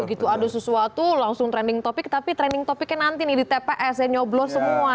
begitu ada sesuatu langsung trending topic tapi trending topicnya nanti nih di tps ya nyoblos semua